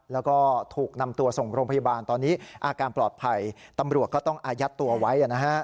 แล้วก็ถูกนำตัวส่งโรงพยาบาลตอนนี้อาการปลอดภัยตำรวจก็ต้องอายัดตัวไว้